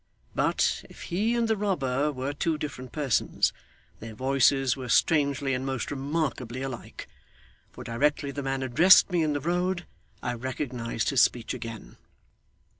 But, if he and the robber were two different persons, their voices were strangely and most remarkably alike; for directly the man addressed me in the road, I recognised his speech again.